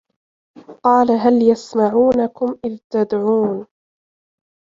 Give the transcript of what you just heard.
قالَ هَل يَسمَعونَكُم إِذ تَدعونَ